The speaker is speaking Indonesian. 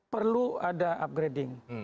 perlu ada upgrading